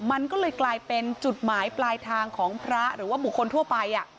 มันก็เลยกลายเป็นจุดหมายปลายทางของพระหรือว่าบุคคลทั่วไป